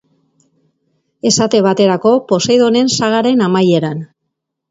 Esate baterako, Poseidonen sagaren amaieran.